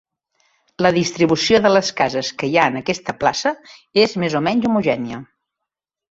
La distribució de les cases que hi ha aquesta plaça és més o menys homogènia.